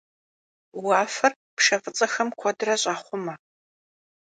Vuafer pşşe f'ıts'exem kuedre ş'axhume.